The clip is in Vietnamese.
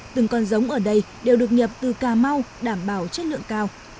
từng con giống ở đây đều được nhập từ cà mau đảm bảo chất lượng cao